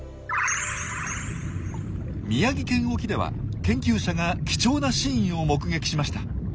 宮城県沖では研究者が貴重なシーンを目撃しました。